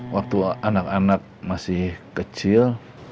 waktu anak anak masih kecil